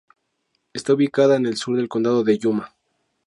Está ubicada en el sur del condado de Yuma.